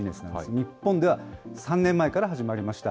日本では、３年前から始まりました。